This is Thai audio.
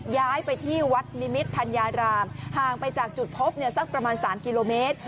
ย้ายไปที่วัดนิมิตธัญญารามห่างไปจากจุดพบสักประมาณ๓กิโลเมตร